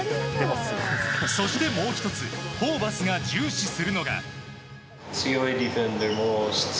そして、もう１つホーバスが重視するのが。